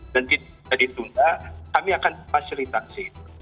dan bisa ditunda kami akan fasilitasi